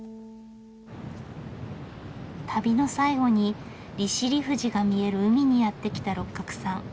旅の最後に利尻富士が見える海にやって来た六角さん。